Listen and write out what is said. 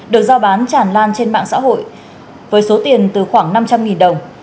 được giao bán tràn lan trên mạng xã hội với số tiền từ khoảng năm trăm linh đồng